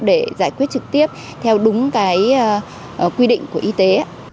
để giải quyết trực tiếp theo đúng cái quy định của y tế